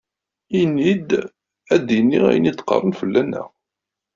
Ini-d ad iniɣ ayen i d-qqaṛen fell-aneɣ!